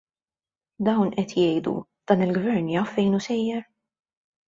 Dawn qed jgħidu: Dan il-Gvern jaf fejn hu sejjer?